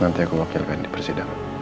nanti aku wakilkan di persidangan